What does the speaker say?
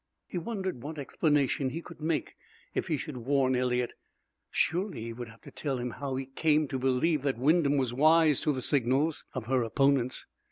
He wondered what explanation he could make if he should warn Eliot; surely he would have to tell how he came to believe that Wyndham was wise to the signals of her opponents.